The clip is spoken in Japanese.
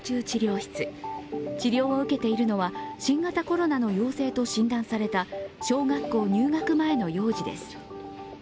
治療を受けているのは新型コロナの陽性と診断された小学校入学前の幼児です。